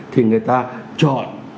thì người ta chọn